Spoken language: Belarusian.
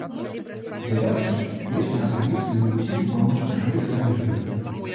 Дзявяткі ёсць на асабістым лімузіне паўночнакарэйскага лідара.